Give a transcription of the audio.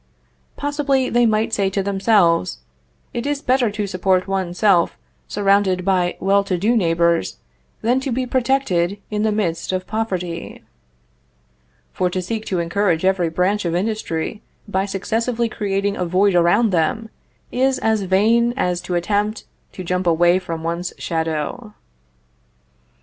Possibly, they might say to themselves: "It is better to support one's self surrounded by well to do neighbors, than to be protected in the midst of poverty." For to seek to encourage every branch of industry by successively creating a void around them, is as vain as to attempt to jump away from one's shadow.